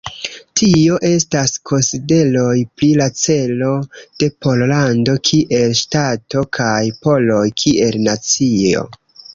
Tio estas konsideroj pri la celo de Pollando kiel ŝtato kaj poloj kiel nacio.